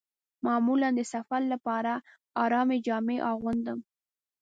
معمولاً د سفر لپاره ارامې جامې اغوندم.